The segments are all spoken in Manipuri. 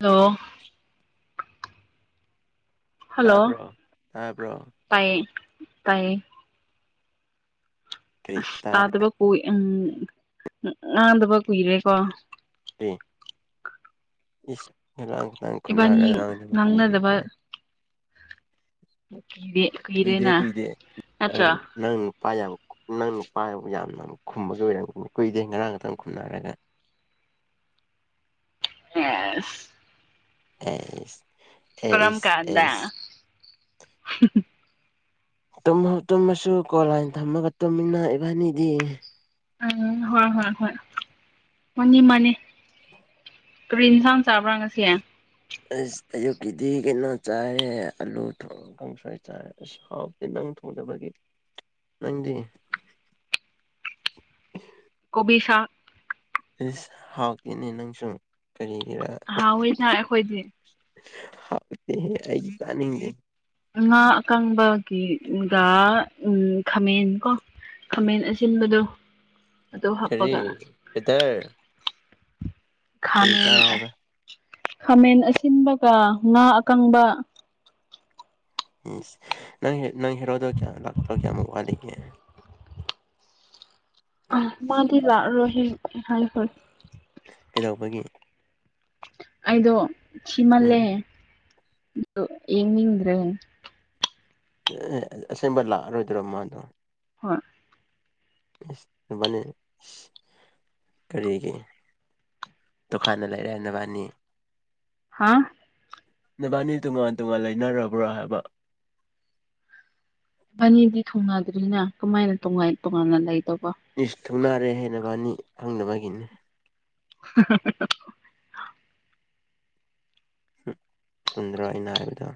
ꯍꯜꯂꯣ ꯇꯥꯕ꯭ꯔꯣ ꯇꯕ꯭ꯔꯣ ꯇꯌꯦ ꯇꯌꯦ ꯀꯔꯤ ꯑꯁ ꯇꯥꯔꯦ ꯇꯥꯗꯕ ꯀꯏ ꯎꯝ ꯉꯥꯡꯗꯕ ꯀꯨꯏꯔꯦꯀꯣ ꯇ ꯏꯁ ꯈꯤꯇꯥꯡ ꯈꯤꯇꯥꯡ ꯏꯕꯥꯅꯤ ꯈꯨꯝꯅꯔꯒ ꯑ ꯉꯥꯡꯅꯕ ꯀꯤꯔꯤ ꯉꯥꯡꯅꯗꯕ ꯍꯥꯏ ꯏꯗꯤ ꯀꯨꯏꯗꯦ ꯀꯨꯏꯗꯦ ꯑ ꯅꯪ ꯄꯄꯥ ꯌꯥꯝ ꯅꯪ ꯄ ꯌꯥꯝꯅ ꯈꯨꯝꯕꯒꯤ ꯑꯣꯏꯔꯝ ꯀꯨꯏꯗꯦ ꯉꯔꯥꯡ ꯈꯛꯇꯪ ꯈꯨꯝꯅꯔꯒ ꯑ ꯑꯦ ꯀꯔꯝ ꯑꯦꯁ ꯀꯥꯟꯗ ꯑꯦꯁ ꯇꯨꯝ ꯇꯨꯝꯃꯁꯨ ꯀꯣꯟꯂꯥꯏꯟ ꯊꯝꯃꯒ ꯇꯨꯝꯃꯤꯟꯅ ꯏꯕꯥꯅꯤꯗꯤ ꯎꯝ ꯍꯣꯏ ꯍꯣꯏ ꯍꯣꯏ ꯃꯥꯅꯤ ꯃꯥꯅꯤ ꯀꯔꯤ ꯏꯟꯁꯥꯡ ꯆꯥꯕ꯭ꯔꯥ ꯉꯁꯤꯦ ꯑꯁ ꯑꯌꯨꯛꯀꯤꯗꯤ ꯀꯩꯅꯣ ꯆꯥꯏꯔꯦ ꯑꯂꯨ ꯊ ꯀꯥꯡꯁꯣꯏ ꯆꯥꯏ ꯑ ꯕꯗꯤ ꯅꯪ ꯊꯣꯡꯖꯕꯒꯤ ꯅꯪꯗꯤ [unintelligible] ꯀꯣꯕꯤꯁꯥ ꯏꯁꯁ ꯍꯥꯎꯇꯤꯅꯦ ꯅꯪꯁꯨ ꯀꯔꯤꯒꯤꯔꯥ ꯍꯥꯎꯋꯤꯅ ꯑꯩꯈꯣꯏꯗꯤ ꯍ ꯍꯥꯏꯅꯤꯡꯦ ꯉꯥ ꯑꯀꯪꯕꯒꯤꯒ ꯎꯝ ꯈꯥꯃꯦꯟ ꯀꯣ ꯈꯃꯦꯟ ꯑꯁꯤꯟꯕꯗꯣ ꯑꯗꯨ ꯈꯦꯔꯤ ꯍꯥꯞꯄꯒ ꯄꯦꯇꯔ ꯀꯔꯤ ꯈꯥꯃꯦꯟ ꯆꯥꯏ ꯍꯥꯏꯕ ꯈꯥꯃꯦꯟ ꯑꯁꯤꯟꯕꯒ ꯉꯥ ꯑꯀꯪꯕ ꯅꯪ ꯅꯪ ꯍꯔꯣꯗꯣ ꯀꯌꯥ ꯂꯥꯛꯇ꯭ꯔꯣ ꯀꯌꯥꯃꯨꯕꯥꯂꯤꯒꯦ ꯃꯗꯤꯂꯥ ꯔꯣꯍꯤ ꯍꯔ ꯍ ꯀꯩꯗꯧꯕꯒꯤ ꯑꯗꯣ ꯎꯝ ꯁꯤꯤꯃꯜꯂꯦ ꯌꯦꯉꯗ꯭ꯔꯦ ꯑꯦ ꯑꯦ ꯑꯁꯦꯡꯕ ꯂꯥꯛꯑꯔꯣꯏꯗ꯭ꯔꯣ ꯃꯥꯗꯣ ꯍꯣꯏ ꯃꯅꯤ ꯀꯔꯤꯒꯤ ꯗꯨꯀꯥꯟꯅ ꯂꯩꯥꯏꯔꯥꯏꯅꯕꯅꯤ ꯍꯥꯥ ꯅꯕꯥꯅꯤ ꯇꯣꯉꯥꯟ ꯇꯣꯉꯥꯟ ꯂꯩꯅꯔꯕ꯭ꯔꯣ ꯍꯥꯏꯕ ꯕꯥꯅꯤꯗꯤ ꯊꯨꯡꯅꯗ꯭ꯔꯤꯅ ꯀꯃꯥꯏꯅ ꯇ ꯇꯣꯉꯥꯟꯅ ꯂꯩꯗꯧꯕ ꯏꯁꯁ ꯊꯧꯅꯔꯦ ꯍꯥꯏꯦꯅꯕꯅꯤ ꯍꯪꯅꯕꯒꯤꯅꯤ [unintelligible] ꯎ ꯆꯨꯝꯗ꯭ꯔꯣ ꯑꯩꯅ ꯍꯥꯏꯕꯗꯣ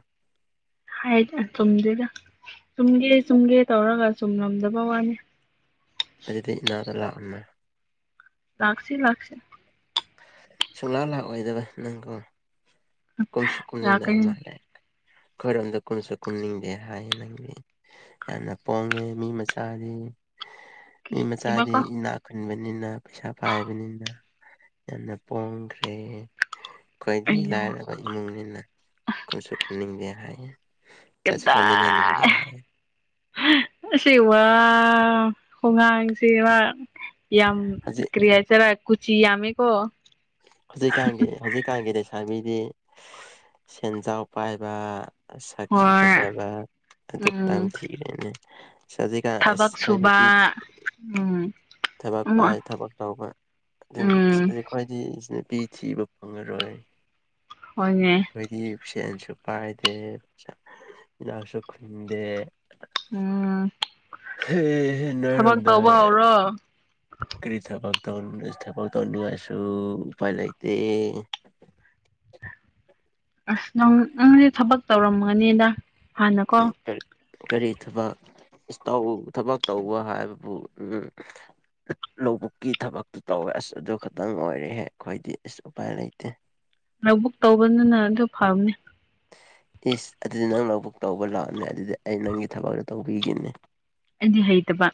ꯍꯥꯏꯗꯤ ꯇꯨꯝꯗꯗ ꯆꯨꯝꯒꯦ ꯆꯨꯝꯒꯦ ꯇꯧꯔꯒ ꯆꯨꯝꯂꯝꯗꯕ ꯋꯥꯅꯤ ꯑꯗꯨꯗ ꯏꯅꯥꯎꯗ ꯂꯥꯛꯃꯦ ꯂꯥꯛꯁꯤ ꯂꯥꯛꯁ ꯁꯨꯡꯂꯥꯡ ꯂꯥꯛꯑꯣꯏꯗꯕ ꯅꯪꯒꯣ ꯀꯨꯝꯁꯨ ꯀꯨꯝꯅꯤꯡꯗꯕ ꯂꯥꯛꯀꯅꯤ ꯃꯥꯜꯂꯦ ꯈꯔꯣꯝꯗ ꯀꯨꯝꯁꯨ ꯀꯨꯝꯅꯤꯡꯗꯦ ꯍꯥꯏꯌꯦ ꯅꯪ ꯌꯥꯝꯅ ꯄꯣꯡꯉꯦ ꯃꯤ ꯃꯆꯥꯗꯤ ꯃꯤ ꯀꯤꯁꯨ ꯃꯆꯥꯗꯤ ꯀꯤꯕꯀꯣ ꯏꯅꯥꯛ ꯈꯨꯟꯕꯅꯤꯅ ꯄꯩꯁꯥ ꯄꯥꯏꯕꯅꯤꯅ ꯌꯥꯝꯅ ꯄꯥꯝꯈ꯭ꯔꯦ ꯑꯩꯈꯣꯏꯗꯤ ꯑꯩꯌꯣ ꯂꯥꯏꯔꯕ ꯏꯃꯨꯡꯅꯤꯅ ꯀꯟꯁꯨ ꯈꯟꯅꯤꯡꯗꯦ ꯍꯥꯏꯌꯦ ꯆꯥ ꯆ ꯆꯃꯤꯅꯥꯅꯤꯒ ꯍꯥꯏ ꯁꯤꯕ ꯍꯨꯡꯉꯥꯡ ꯁꯤꯕ ꯌꯥꯝ ꯍꯧꯖꯤꯛ ꯀꯔꯤꯌꯥ ꯆꯔ ꯀꯨꯆꯤ ꯌꯥꯝꯃꯤ ꯀꯣ ꯍꯧꯖꯤꯛꯀꯥꯟꯒꯤ ꯍꯧꯖꯤꯛꯀꯥꯟꯒꯤ ꯂꯩꯁꯥꯕꯤꯗꯤ ꯁꯦꯟꯖꯥꯎ ꯄꯥꯏꯕ ꯁꯛꯁꯨ ꯍꯣꯏ ꯐꯖꯕ ꯑꯗꯨ ꯎꯝ ꯈꯇꯪ ꯊꯤꯈꯦꯅꯦ ꯖꯤ ꯑꯁ ꯊꯕꯛ ꯑꯩꯈꯣꯏ ꯅꯨ ꯁꯨꯕ ꯄꯤ ꯎꯝ ꯊꯕꯛ ꯑꯃ ꯄꯥꯏ ꯊꯕꯛ ꯇꯧꯕ ꯎꯝ ꯑꯗꯨ ꯈ꯭ꯋꯥꯏꯗꯤ ꯅꯨꯄꯤ ꯊꯤꯕ ꯐꯪꯉꯔꯣꯏ ꯍꯣꯏꯅꯦ ꯑꯩꯈꯣꯏꯗꯤ ꯁꯦꯟꯁꯨ ꯄꯥꯏꯗꯦ ꯏꯅꯥꯎꯁꯨ ꯈꯨꯟꯗꯦ ꯎꯝ ꯊꯕꯛ ꯅꯣꯏꯔꯣꯝꯗ ꯇꯧꯕ ꯍꯧꯔꯣ ꯄꯔꯤ ꯊꯄꯒ ꯇ ꯊꯄꯣꯛ ꯇ ꯅꯨꯡꯉꯁꯨ ꯄꯥꯏꯂꯗꯤ ꯑꯁ ꯅꯪꯁꯦ ꯊꯕꯛ ꯇꯧꯔꯝꯒꯅꯤꯗ ꯍꯥꯟꯅꯀꯣ ꯀꯔꯤ ꯀꯔꯤ ꯊꯕꯛ ꯊꯕꯛ ꯇꯧꯕ ꯍꯥꯏꯕꯕꯨ ꯎ ꯂꯧꯕꯨꯛꯀꯤ ꯊꯕꯛꯇꯨ ꯇꯧꯋꯦ ꯑꯁ ꯑꯗꯨ ꯈꯛꯇꯪ ꯑꯣꯏꯔꯦꯍꯦ ꯑꯩꯈꯣꯏꯗꯤ ꯑꯁ ꯎꯄꯥꯏ ꯂꯩꯇꯦ ꯑ ꯕꯨꯛ ꯇꯧꯕꯅꯤꯅ ꯑꯗꯨ ꯐꯕꯅꯤ ꯏꯁ ꯑꯗꯨꯗꯤ ꯅꯪ ꯂꯧꯕꯕꯨꯛ ꯇꯧꯕ ꯂꯥꯛꯑꯅꯦ ꯑꯗꯨꯗꯤ ꯑꯩ ꯅꯪꯒꯤ ꯊꯕꯛꯇ ꯇꯧꯕꯤꯈꯤꯅꯤ ꯑꯗꯨꯗꯤ ꯍꯩꯇꯕ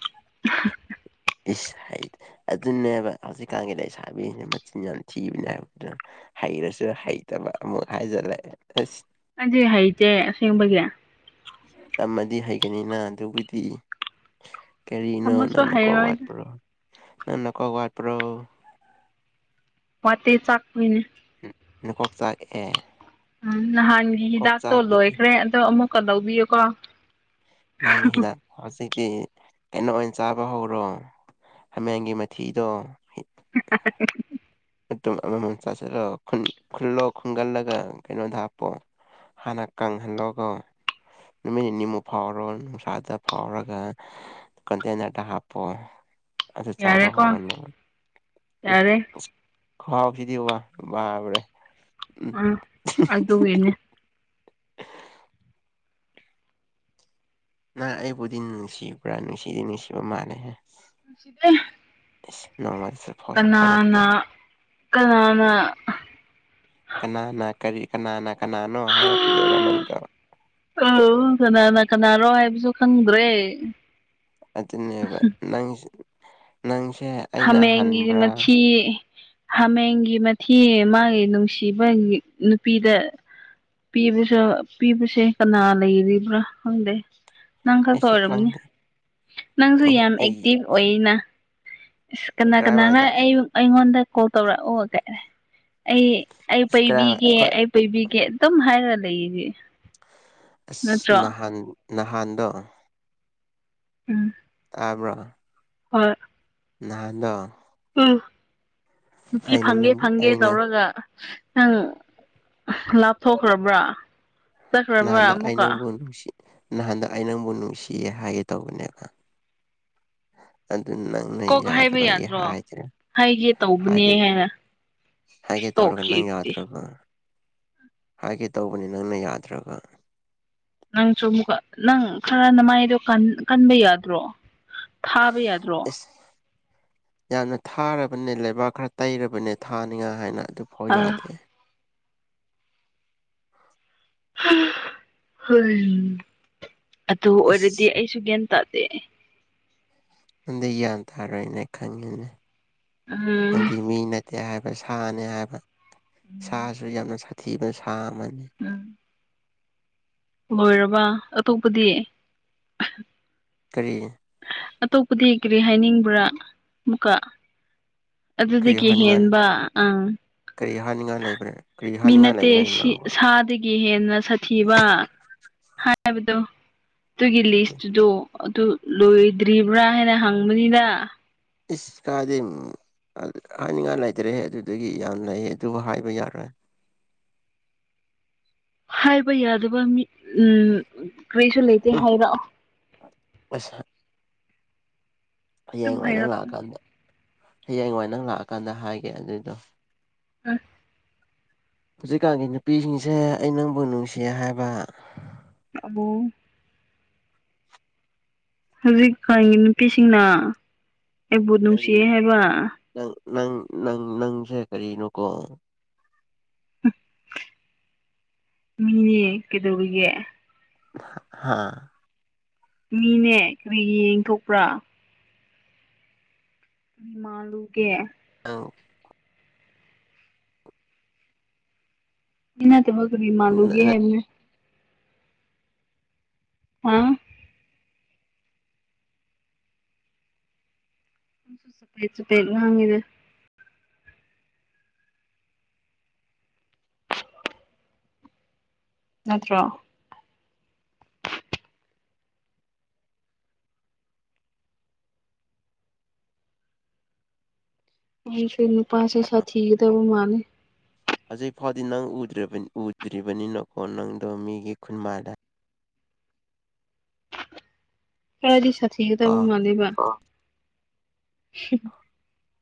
ꯏꯁ ꯍꯥꯏꯗꯤ ꯑꯗꯨꯅꯦꯕ ꯍꯧꯖꯤꯛꯀꯥꯟꯒꯤ ꯂꯩꯁꯥꯕꯤꯁꯤꯅ ꯃꯆꯤꯟ ꯌꯥꯝ ꯊꯤꯕꯅꯦ ꯍꯥꯏꯕ ꯑꯗꯨꯅ ꯍꯩꯔꯁꯨ ꯍꯩꯇꯕ ꯑꯃꯨꯛ ꯍꯥꯏꯖꯜꯂꯦ ꯑꯁ ꯑꯗꯨꯗꯤ ꯍꯩꯇꯦꯁꯦꯡꯕꯒꯤꯔ ꯇꯝꯃꯗꯤ ꯍꯩꯒꯅꯤꯅ ꯑꯗꯨꯕꯨꯗꯤ ꯀꯔꯤꯅꯣ ꯑꯃꯁꯨ ꯅꯪ ꯅ ꯀ ꯍꯩꯔꯣꯏꯗ ꯋꯥꯠꯄ꯭ꯔꯣ ꯅꯪ ꯅ ꯀ ꯋꯥꯠꯄ꯭ꯔꯣ ꯋꯥꯠꯇ ꯆꯥꯛꯄꯣꯏꯅꯦ ꯅꯀꯣꯛ ꯆꯥꯛꯑꯦ ꯎꯝ ꯅꯍꯥꯟꯒꯤ ꯀꯣꯛ ꯍꯤꯗꯥꯛꯇꯣ ꯆꯥꯛꯄꯒꯤ ꯂꯣꯏꯈ꯭ꯔꯦ ꯑꯗꯣ ꯑꯃꯨꯛꯀ ꯂꯧꯕꯤꯌꯨꯀꯣ [unintelligible] ꯍꯧꯖꯤꯛꯇꯤ ꯀꯩꯅꯣ ꯑꯣꯏꯅ ꯆꯥꯕ ꯍꯧꯔꯣ ꯍꯥꯃꯦꯡꯒꯤ ꯃꯊꯤꯗꯣ [unintelligible] ꯃꯇꯨꯝ ꯑꯃꯃꯝ ꯆꯥꯁꯤꯜꯂꯛꯣ ꯈꯨꯜꯂꯣ ꯈꯨꯟꯒꯜꯂꯒ ꯀꯩꯅꯣꯗ ꯍꯥꯞꯄꯣ ꯍꯥꯟꯅ ꯀꯪꯍꯜꯂꯣꯒ ꯅꯨꯃꯤꯠ ꯅꯤꯅꯤꯃꯨꯛ ꯐꯥꯎꯔꯣ ꯅꯨꯡꯁꯥꯗ ꯐꯥꯎꯔꯒ ꯀꯟꯗꯅꯇ ꯍꯥꯞꯄꯣ ꯑꯗꯨꯗ ꯆꯥꯕ ꯌꯥꯔꯦꯀꯣ ꯍꯧꯔꯅꯕ ꯌꯥꯔꯦ ꯈꯍꯥꯎꯁꯤꯗꯤ ꯋꯥ ꯕꯔꯦ ꯑ ꯑꯗꯨꯗ ꯌꯦꯅꯦ [unintelligible] ꯅꯍ ꯑꯩꯕꯨꯗꯤ ꯅꯨꯡꯁꯤꯕ꯭ꯔꯥ ꯅꯨꯡꯁꯤꯗꯤ ꯅꯨꯡꯁꯤꯕ ꯃꯥꯜꯂꯦ [unintelligible] ꯅꯣꯡꯃ [unintelligible] ꯀꯅꯥꯅ ꯀꯅꯥꯅ ꯀꯅꯥꯅ ꯀꯔꯤ ꯀꯅꯥꯅ ꯀꯅꯥꯅꯣ ꯍꯥꯏꯔꯛꯀꯗꯣꯏꯔꯣ ꯅꯪꯗꯣ ꯑ ꯀꯅꯥꯅ ꯀꯅꯥꯅꯣ ꯍꯥꯏꯕꯁꯨ ꯈꯪꯗ꯭ꯔꯦ ꯑꯗꯨꯅꯦꯕ ꯅꯪ ꯅꯪꯁꯦ ꯍ ꯑꯩꯅ ꯃꯒꯤ ꯍꯟꯕ꯭ꯔꯥ ꯃꯤ ꯍꯥꯃꯦꯡꯒꯤ ꯃꯊꯤ ꯃꯥꯒꯤ ꯅꯨꯡꯁꯤꯕꯒꯤ ꯅꯨꯄꯤꯗ ꯄꯤꯕꯁꯨ ꯄꯤꯕꯁꯦ ꯀꯅꯥ ꯂꯩꯔꯤꯕ꯭ꯔꯥ ꯈꯪꯗꯦ ꯅꯪ ꯈꯛꯛꯇ ꯑꯩꯁꯨ ꯑꯣꯏꯔꯝꯅꯤ ꯈꯪꯗꯦ ꯅꯪꯁꯨ ꯑꯦ ꯌꯥꯝ ꯑꯩ ꯑꯦꯛꯇꯤꯚ ꯑꯣꯏꯅ ꯑ ꯀꯅꯥ ꯀꯅꯥꯅ ꯀꯔꯥꯏꯋꯥꯏꯗ ꯑꯩ ꯑꯩꯉꯣꯟꯗ ꯀꯣꯜ ꯇꯧꯔꯛꯎ ꯑꯩ ꯑꯩ ꯀꯔꯥꯏ ꯄꯩꯕꯤꯒꯦ ꯑꯩꯈꯣꯏ ꯑꯩ ꯄꯩꯕꯤꯒꯦ ꯑꯗꯨꯝ ꯍꯥꯏꯔꯒ ꯂꯩꯁꯦ ꯑꯁ ꯅꯍꯥꯟ ꯅꯍꯥꯟꯗꯣ ꯎꯝ ꯇꯥꯕ꯭ꯔꯣ ꯍꯣꯏ ꯅꯍꯥꯟꯗ ꯎꯝ ꯅꯨꯡꯇꯤ ꯑꯩꯅ ꯐꯪꯒꯦ ꯅꯪꯕꯨ ꯐꯪꯒꯦ ꯑꯩꯅ ꯇꯧꯔꯒ ꯅꯪ ꯂꯥꯞꯊꯣꯛꯈ꯭ꯔꯕ꯭ꯔꯥ ꯆꯠꯈ꯭ꯔꯕ꯭ꯔꯥ ꯅꯍꯥꯟꯗ ꯑꯩ ꯑꯃꯨꯛꯀ ꯅꯪꯕꯨ ꯅꯨꯡꯁꯤ ꯅꯍꯥꯟꯗ ꯑꯩ ꯅꯪꯕꯨ ꯅꯨꯡꯁꯤꯌꯦ ꯍꯥꯏꯒꯦ ꯇꯧꯕꯅꯦꯕ ꯑꯗꯨ ꯅꯪꯅ ꯀꯣꯛ ꯍꯥꯏꯕ ꯌꯥꯗꯕꯒꯤ ꯌꯥꯗ꯭ꯔꯣ ꯍꯥꯏꯗ꯭ꯔꯦ ꯍꯥꯏꯒꯦ ꯇꯧꯕꯅꯦ ꯍꯥꯏꯒꯦ ꯍꯥꯏꯅ ꯍꯥꯏꯒꯦ ꯇꯧꯔꯒ ꯇꯣꯛꯈꯤ ꯅꯪ ꯑꯗꯨꯗꯤ ꯌꯥꯗ꯭ꯔꯕ ꯍꯥꯏꯒꯦ ꯇꯧꯕꯅꯤ ꯅꯪꯅ ꯌꯥꯗ꯭ꯔꯒ ꯅꯪꯁꯨ ꯑꯃꯨꯛꯀ ꯅꯪ ꯈꯔꯅ ꯃꯥꯏꯗꯣ ꯀꯟꯕ ꯌꯥꯗ꯭ꯔꯣ ꯊꯥꯕ ꯌꯥꯗ꯭ꯔꯣ ꯌꯥꯝꯅ ꯊꯥꯔꯕꯅꯦ ꯂꯩꯕꯥꯛ ꯈꯔ ꯇꯩꯔꯕꯅꯦ ꯊꯥꯅꯤꯉꯥꯏ ꯍꯥꯏꯅ ꯑꯗꯨ ꯍ ꯑ ꯌꯥꯗꯦ ꯍ ꯑꯗꯨ ꯏꯁ ꯑꯣꯏꯔꯗꯤ ꯑꯩꯁꯨ ꯒ꯭ꯌꯥꯟ ꯇꯥꯗꯦ ꯅꯗꯤ ꯒ꯭ꯌꯥꯟ ꯇꯥꯔꯣꯏꯅꯦ ꯈꯪꯉꯤꯅꯦ ꯎꯝ ꯑꯗꯨꯗꯤ ꯃꯤꯅ ꯗꯦ ꯍꯥꯏꯕ ꯁꯥꯅꯦ ꯍꯥꯏꯕ ꯁꯥꯁꯨ ꯌꯥꯝꯅ ꯁꯥꯊꯤꯕ ꯁꯥ ꯑꯃꯅꯤ ꯎꯝ ꯂꯣꯏꯔꯕ ꯑꯇꯣꯞꯄꯗꯤ ꯀꯔꯤ ꯑꯇꯣꯞꯄꯗꯤ ꯀꯔꯤ ꯍꯥꯏꯅꯤꯡꯕ꯭ꯔꯥ ꯑꯃꯨꯛꯀ ꯀꯔꯤ ꯑꯗꯨꯗꯒꯤ ꯍꯥꯏꯅꯤꯡꯉꯥꯏ ꯍꯦꯟꯕ ꯑꯥ ꯀꯔꯤ ꯍꯥꯏꯅꯤꯡꯉꯥꯏ ꯂꯩꯕ꯭ꯔ ꯀꯔꯤ ꯍꯥꯏꯅꯤꯡꯉꯥꯏ ꯂꯩꯕ꯭ꯔꯦ ꯅꯪꯕ ꯀ ꯍꯦꯟꯅ ꯁꯥꯊꯤꯕ ꯍꯥꯏꯕꯗꯨꯣ ꯑꯗꯨꯒꯤ ꯂꯤꯁꯇꯨꯗ ꯑꯗꯨ ꯂꯣꯏꯗ꯭ꯔꯤꯕ꯭ꯔꯥ ꯍꯥꯏꯅ ꯍꯪꯕꯅꯤꯗ ꯏꯁ ꯀꯥꯏꯗꯤ ꯍꯥꯏꯅꯤꯡꯉꯥꯏ ꯂꯩꯇ꯭ꯔꯦꯍꯦ ꯑꯗꯨꯗꯒꯤ ꯌꯥꯝ ꯂꯩ ꯑꯗꯨꯕꯨ ꯍꯥꯏꯕ ꯌꯥꯔꯣꯏ ꯍꯥꯏꯕ ꯌꯥꯗꯕ ꯃꯤ ꯎꯝ ꯀꯔꯤꯁꯨ ꯂꯩꯇꯦ ꯎꯝ ꯍꯥꯏꯔꯑꯣ ꯑꯁ ꯍꯌꯦꯡ ꯑꯗꯨꯝ ꯋꯥꯏ ꯅꯪ ꯍꯥꯏꯔꯛꯄꯅꯦ ꯂꯥꯛꯑꯀꯥꯟꯗ ꯍꯌꯦꯡ ꯋꯥꯏ ꯅꯪ ꯂꯥꯛꯑꯀꯥꯟꯗ ꯍꯥꯏꯒꯦ ꯑꯗꯨꯏꯗꯣ ꯑ ꯍꯧꯖꯤꯛꯀꯥꯟꯒꯤ ꯅꯨꯄꯤꯁꯤꯡꯁꯦ ꯑꯩ ꯅꯪꯕꯨ ꯅꯨꯡꯁꯤꯌꯦ ꯍꯥꯏꯕ ꯑꯕꯨ ꯍꯧꯖꯤꯛꯀꯒꯤ ꯅꯨꯄꯤꯁꯤꯡꯅ ꯑꯩꯕꯨ ꯅꯨꯡꯁꯤ ꯀꯔꯤ ꯍꯥꯏꯕ ꯅꯪ ꯅꯪ ꯅꯪ ꯅꯪꯁꯦ ꯀꯔꯤꯅꯣꯀꯣ ꯃꯤꯅꯦ ꯀꯩꯗꯧꯔꯤꯒꯦ ꯍꯥꯥ ꯃꯤꯅꯦ ꯀꯔꯤ ꯌꯦꯡꯊꯣꯛꯄ꯭ꯔꯥ ꯃꯤ [unintelligible] ꯃꯥꯜꯂꯨꯒꯦ ꯑꯧ ꯏꯅꯥ [unintelligible] ꯇ [unintelligible] ꯀ꯭ꯔꯤ ꯃꯥꯂꯨꯒꯦ ꯍꯥꯏꯕꯅꯤ ꯍꯥꯥ ꯆꯄꯦꯠ ꯆꯄꯦꯠ ꯉꯥꯡꯉꯤꯘ ꯅꯠꯇ꯭ꯔꯣ ꯎ ꯐꯦ ꯄꯁ ꯁꯥꯠ ꯊꯤꯗꯕ ꯃꯥꯅꯦ ꯍꯧꯖꯤꯛ ꯐꯥꯎꯗꯤ ꯅꯪꯗ꯭ ꯎꯗ꯭ꯔꯤꯕꯅꯤꯅꯀꯣ ꯅꯪꯗꯣ ꯃꯤꯒꯤ ꯈꯨꯟꯃꯥꯏꯗ ꯈꯔ ꯀꯣ ꯁꯊꯗꯃꯕ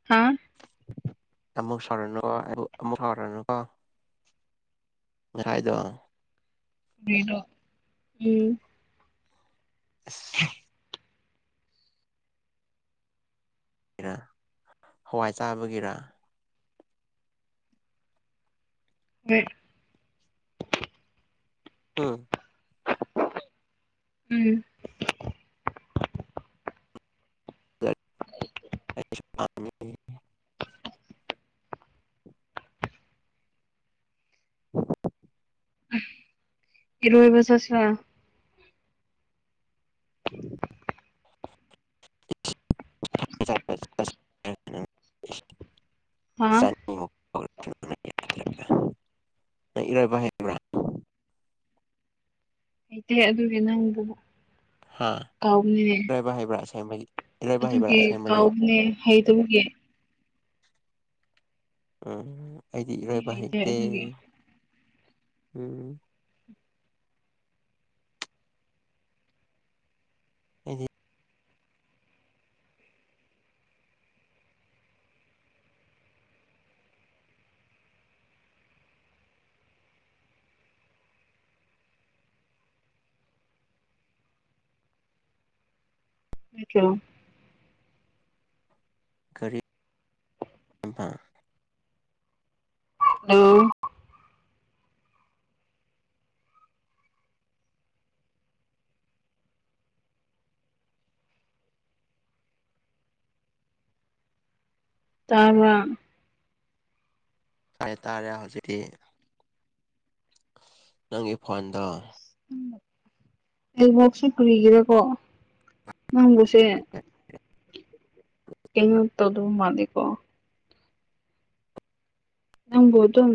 ꯍꯥ ꯑꯃꯨꯛ ꯁꯥꯎꯔꯅꯨꯀꯣ ꯑꯃꯨꯛ ꯁꯥꯎꯔꯅꯨꯀꯣ ꯉꯥꯏꯗ ꯅꯣ ꯎꯝ ꯑꯁ [unintelligible] ꯒꯤꯔ ꯍꯋꯥꯏ ꯆꯥꯕꯒꯤꯔ ꯎ ꯎꯝ ꯎꯝ [inaudible] ꯎ [inaudible] ꯏꯔꯣꯏꯕ ꯆꯠꯁꯤꯔꯥ ꯎ [unintelligible] [inaudible] ꯍꯥ ꯆ ꯏꯔꯣꯏꯕ ꯍ [inaudible] ꯍꯩꯇꯦ ꯑꯗꯨꯒꯤ ꯅꯪꯕꯨ ꯍꯥ ꯀꯥꯎꯕꯅꯦ ꯔꯥꯏꯕ ꯍꯥꯏꯕ꯭ꯔꯥꯁꯥꯏ [unintelligible] ꯑꯗꯨꯒꯤ ꯀꯥꯎꯕꯅꯦ ꯍꯩꯇꯕꯒꯤ ꯎꯝ ꯑꯩꯗꯤ ꯏꯔꯣꯏꯕ ꯍꯩꯇꯦ ꯎꯝ ꯑꯩꯗꯤ ꯃꯣ [unintelligible] ꯀꯔꯤ ꯎ [unintelligible] ꯇꯥꯕ꯭ꯔ ꯇꯥꯔꯦ ꯇꯥꯔꯦ ꯍꯧꯖꯤꯛꯇꯤ ꯅꯪꯒꯤ ꯐꯣꯟꯗꯣ ꯅꯦꯠꯋꯥꯛꯁꯤ ꯀꯔꯤꯒꯤꯔꯥꯀꯣ ꯅꯪ ꯎꯁꯦ ꯌꯦꯉ ꯇꯧꯗꯔ ꯃꯥꯗꯤꯀꯣ ꯅꯪꯕꯨ ꯑꯗꯨꯝ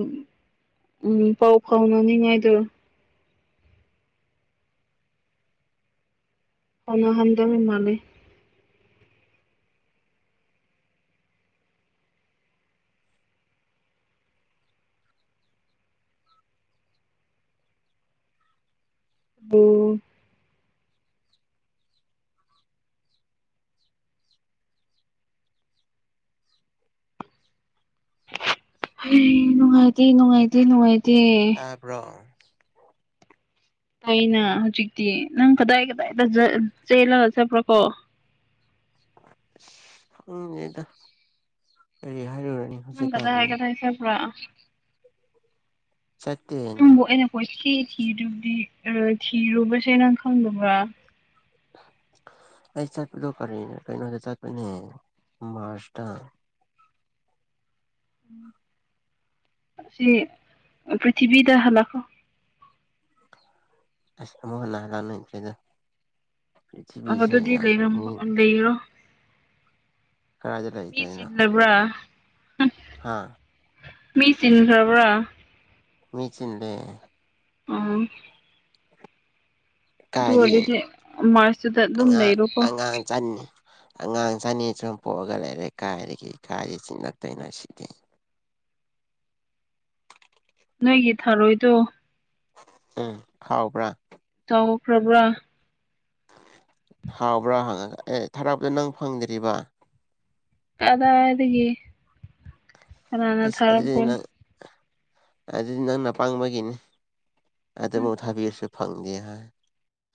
ꯎꯝ ꯄꯥꯎ ꯐꯥꯎꯅꯅꯤꯡꯉꯥꯏꯗ ꯁ [unintelligible] ꯍꯟꯗꯕ ꯃꯥꯜꯂꯤ ꯑꯣ ꯍꯩ ꯅꯨꯡꯉꯥꯏꯇꯦ ꯅꯨꯡꯉꯥꯏꯇꯦ ꯅꯨꯡꯉꯥꯏꯇꯦ ꯕ꯭ꯔꯣ ꯑꯩꯅ ꯍꯧꯖꯤꯛꯇꯤ ꯅꯪ ꯀꯗꯥꯏ ꯀꯗꯥꯏꯗ ꯆꯦꯜꯂꯒ ꯆꯠꯄ꯭ꯔꯥ ꯀꯣ ꯑꯁ ꯈꯪꯘꯦꯘ ꯀꯔꯤ ꯍꯥꯏꯔꯨꯔꯅꯤ ꯎꯝ ꯀꯗꯥ ꯍꯧꯖꯤꯛꯀꯥꯟꯗꯤ ꯀꯘꯥꯏ ꯆꯠꯄ꯭ꯔ ꯆꯠꯇꯦ ꯅꯪꯕꯨ ꯑꯩꯅ ꯀꯣꯏꯊꯤ ꯊꯤꯔꯎꯕꯗꯤ ꯊꯤꯔꯨꯕꯁꯦ ꯅꯪ ꯈꯪꯗꯕ꯭ꯔꯥ ꯑꯩ ꯆꯠꯄꯗꯣ ꯀꯔꯤꯅ ꯀꯩꯅꯣꯗ ꯆꯠꯄꯅꯦ ꯃꯥꯔ꯭ꯁꯇ ꯁꯤ ꯄ꯭ꯔꯤꯊꯤꯕꯤꯗ ꯍꯜꯂꯛꯣ ꯑꯁ ꯑꯃꯨꯛ ꯍꯟꯅꯔꯥꯟ ꯅ ꯏꯆꯦꯗ ꯄ꯭ꯔꯤꯊꯤꯕꯤꯁꯦ ꯌꯥꯝ ꯂꯧ ꯃꯤ ꯔꯣ ꯀꯗꯥꯏꯗ ꯃꯤ ꯂꯩꯗꯣꯏꯅꯣ ꯁꯤꯠꯂꯕ꯭ꯔꯥ ꯍꯥ ꯃꯤ ꯆꯟꯈ꯭ꯔꯕ꯭ꯔꯥ ꯃꯤꯆꯗꯦ ꯎꯝ ꯑꯗꯨ ꯀꯔꯤ ꯑꯣꯏꯔꯗꯤ ꯃꯥꯔꯁꯇꯨꯗ ꯑꯗꯨꯝ ꯑꯉꯥꯡ ꯂꯩꯔꯣꯀꯣ ꯑꯉꯥꯡ ꯆꯟ ꯑꯉꯥꯡ ꯆꯅꯤ ꯁꯨꯝ ꯄꯣꯛꯑꯒ ꯂꯩꯔꯦ ꯀꯥꯏꯔꯤꯗꯒꯤ ꯏ ꯀꯥꯏꯁꯤ ꯁꯤ ꯅꯠꯇꯦꯅ ꯁꯤꯗꯤ ꯅꯣꯏꯒꯤ ꯊꯥꯔꯣꯏꯗꯣ ꯎꯝ ꯍꯥꯎꯕ꯭ꯔ ꯆꯥꯎꯈ꯭ꯔꯕ꯭ꯔꯥ ꯍꯥꯎꯕ꯭ꯔꯥ ꯍꯪꯉꯒ ꯑꯦ ꯊꯔꯥꯞꯇ ꯅꯪ ꯐꯪꯗ꯭ꯔꯤꯕ ꯀꯘꯥꯏꯘꯒꯤ ꯏꯁ ꯑꯗꯨꯗꯤ ꯅꯪ ꯑꯗꯨꯗꯤ ꯅꯪꯅ ꯄꯡꯕꯒꯤꯅꯤ ꯑꯗꯨꯪꯥꯎ ꯊꯥꯕꯤꯔꯁꯨ ꯐꯪꯗꯦ ꯍꯥꯏ